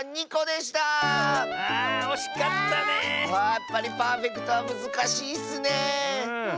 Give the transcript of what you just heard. やっぱりパーフェクトはむずかしいッスねえ。